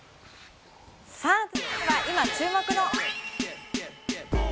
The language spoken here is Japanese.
さあ、続いては今注目の。